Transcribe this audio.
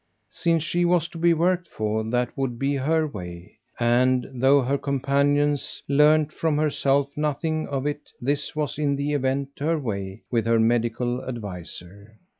Since she was to be worked for that would be her way; and though her companions learned from herself nothing of it this was in the event her way with her medical adviser.